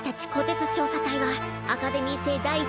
つ調査隊はアカデミー星第１